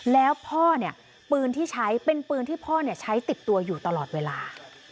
แล้วพ่อเนี่ยปืนที่ใช้เป็นปืนที่พ่อใช้ติดตัวอยู่ตลอดเวลา